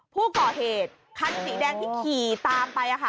ผู้ก่อเหตุคันสีแดงที่ขี่ตามไป